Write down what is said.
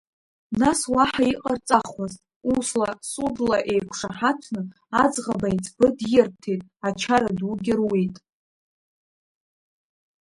Нас уаҳа иҟарҵахуаз, усла, судла еиқәшаҳаҭны аӡӷаб аиҵбы дирҭеит, ачара дугьы руит.